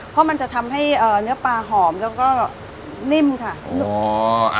เพราะมันจะทำให้เนื้อปลาหอมแล้วก็นิ่มค่ะนุ่ม